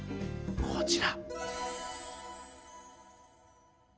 こちら。